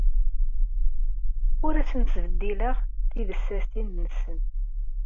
Ur asen-ttbeddileɣ tibessasin-nsen.